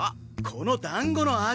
このだんごの味！